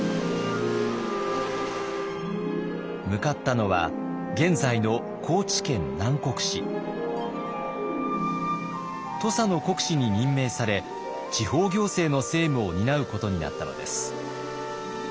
向かったのは現在の土佐の国司に任命され地方行政の政務を担うことになったのです。